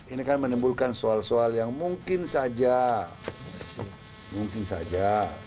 ini kan menimbulkan soal soal yang mungkin saja